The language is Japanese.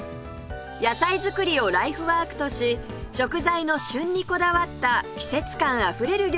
野菜作りをライフワークとし食材の旬にこだわった季節感あふれる料理が得意